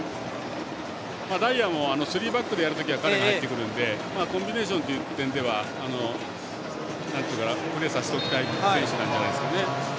ダイアーも３バックでやるときはコンビネーションという点ではプレーさせておきたい選手なんじゃないですかね。